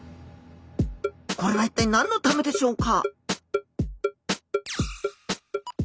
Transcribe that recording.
これは一体何のためでしょうか？